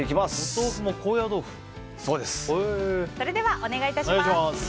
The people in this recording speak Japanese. それではお願い致します。